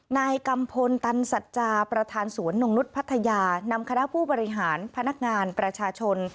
นายกัมพลตันสัจจาประธานสวนนงนุษย์พัทยานำคณะผู้บริหารพนักงานประชาชน